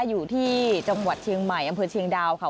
อยู่ที่จังหวัดเชียงใหม่อำเภอเชียงดาวค่ะ